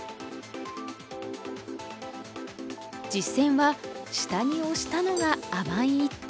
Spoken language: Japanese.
実戦は下にオシたのが甘い一手。